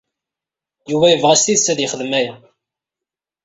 Yuba yebɣa s tidet ad yexdem aya.